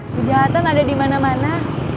kejahatan ada di mana mana